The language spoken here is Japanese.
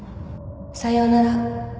さようなら